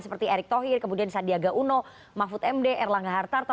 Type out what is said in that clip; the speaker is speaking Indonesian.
seperti erick thohir kemudian sandiaga uno mahfud md erlangga hartarto